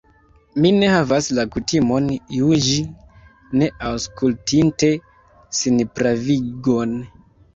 Mi ne havas la kutimon juĝi, ne aŭskultinte sinpravigon.